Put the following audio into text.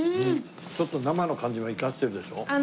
ちょっと生の感じも生かしてるでしょ？